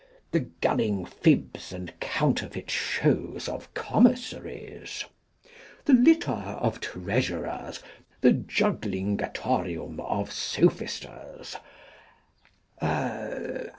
The Gulling Fibs and Counterfeit shows of Commissaries. The Litter of Treasurers. The Juglingatorium of Sophisters.